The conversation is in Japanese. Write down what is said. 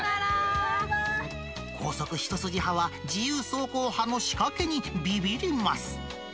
高速一筋派は、自由走行派の仕掛けにびびります。